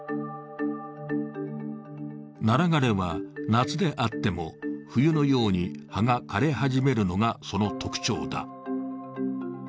ナラ枯れは夏であっても、冬のように葉が枯れ始めるのがその特徴だ。